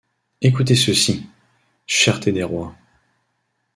Écoutez ceci: Cherté des rois.